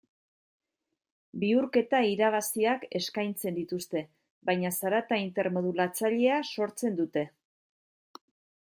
Bihurketa-irabaziak eskaintzen dituzte, baina zarata intermodulatzailea sortzen dute.